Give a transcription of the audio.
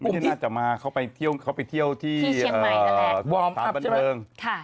ไม่น่าจะมาเขาไปเที่ยวที่ทางบรรเทิง